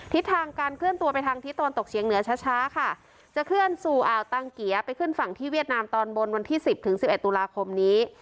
ทิศทางการเคลื่อนตัวไปทางทิศตะวันตกเฉียงเหนือช้าค่ะจะเคลื่อนสู่อ่าวตังเกียร์ไปขึ้นฝั่งที่เวียดนามตอนบนวันที่สิบถึงสิบเอ็ดตุลาคมนี้